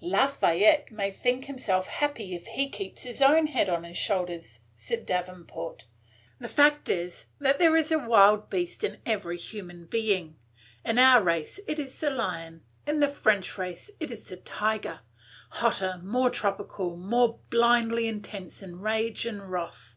"Lafayette may think himself happy if he keeps his own head on his shoulders," said Davenport. "The fact is, that there is a wild beast in every human being. In our race it is the lion. In the French race it is the tiger, – hotter, more tropical, more blindly intense in rage and wrath.